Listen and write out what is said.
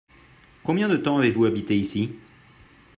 Combien de temps avez-vous habité ici ?